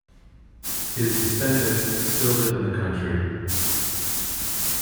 His descendants still live in the county.